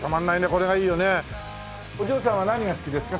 お嬢さんは何が好きですか？